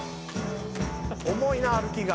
「重いなあ歩きが」